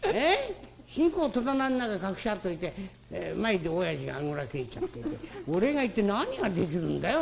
新公を戸棚の中に隠しやっといて前でおやじがあぐらけえちゃってて俺が一体何ができるんだい？